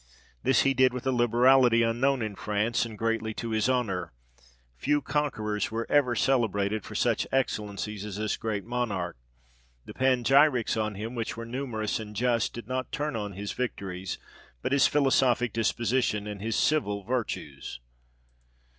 This he did with a liberality unknown in France, and greatly to his honour : few conquerors were ever celebrated for such excellencies as this great Monarch ; the panegyrics on him, which were numerous and just, did not turn on his victories, but his philosophic disposition, and his civil virtues.